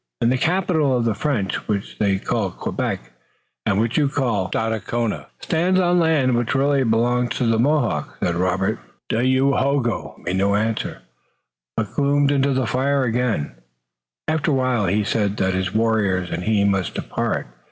"And the capital of the French, which they call Quebec, and which you call Stadacona, stands on land which really belongs to the Mohawks," said Robert meaningly. Dayohogo made no answer, but gloomed into the fire again. After a while he said that his warriors and he must depart.